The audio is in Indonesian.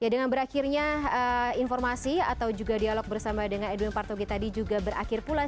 dengan berakhirnya informasi atau juga dialog bersama dengan edwin partogi tadi juga berakhir pula